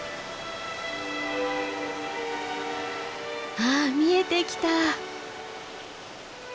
あっ見えてきた。